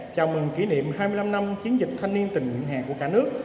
chào mừng kỷ niệm hai mươi năm năm chiến dịch thanh niên tình nguyện hẹn của cả nước